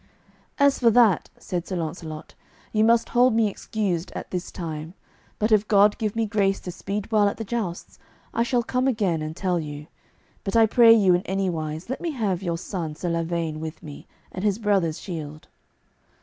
"As for that," said Sir Launcelot, "ye must hold me excused at his time, but if God give me grace to speed well at the jousts, I shall come again and tell you. But I pray you in any wise let me have your son Sir Lavaine with me, and his brother's shield."